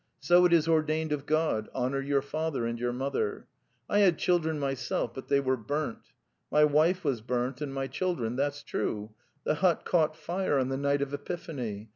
... So it is ordained of God, 'Honour your father and your mother.' ... I had children myself, but they were burnt. ... My wife was burnt and 'my \children, :..' that's! true:)))..': The hut caught fire on the night of Epiphany...